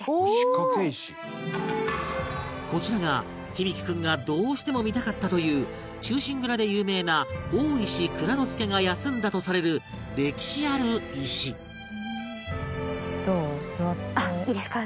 こちらが響大君がどうしても見たかったという『忠臣蔵』で有名な大石内蔵助が休んだとされる歴史ある石いいですか？